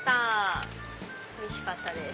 おいしかったです。